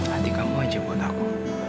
hati kamu wajib buat aku